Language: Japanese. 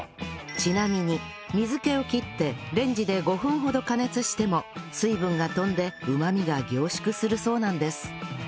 ちなみに水気を切ってレンジで５分ほど加熱しても水分が飛んでうまみが凝縮するそうなんです